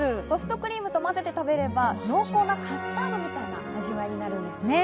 ソフトクリームと混ぜて食べれば濃厚なカスタードみたいな味わいになります。